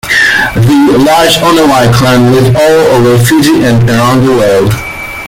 The large Onewai Clan live all over Fiji and around the world.